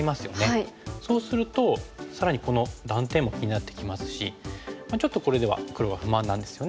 そうすると更にこの断点も気になってきますしちょっとこれでは黒は不満なんですよね。